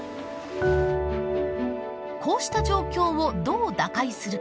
こうした状況をどう打開するか。